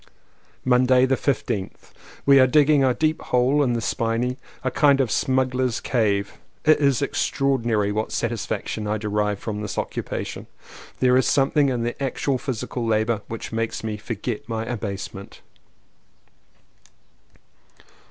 Monday the 15th. We are digging a deep hole in the spinney — a kind of smuggler's cave. It is extraordinary what satisfaction I derive from this occupation. There is something in the actual physical labour which makes me forget my abasement.